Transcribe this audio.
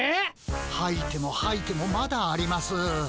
はいてもはいてもまだあります。